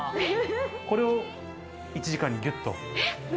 これを１時間にぎゅっと。